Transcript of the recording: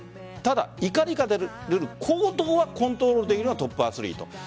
ただ、怒りから出る行動はコントロールできるのがトップアスリート。